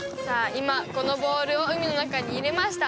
今このボールを海の中に入れました